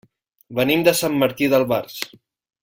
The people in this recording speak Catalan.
Venim de Sant Martí d'Albars.